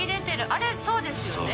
あれ、そうですよね。